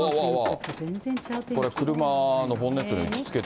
これ車のボンネット打ちつけてる。